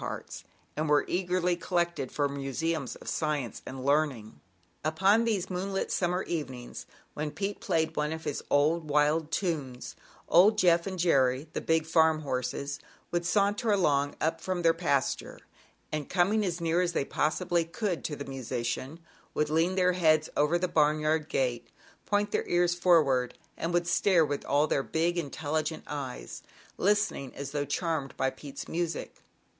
parts, and were eagerly collected for museums of science and learning. Upon these moonlit summer evenings, when Pete played one of his odd, wild tunes, old Jeff and Jerry, the big farm horses, would saunter along up from their pasture, and, coming as near as they possibly could to the musician, would lean their heads over the barnyard gate, point their ears forward and would stare with all their big, intelligent eyes, listen ing as though charmed by Pete's music.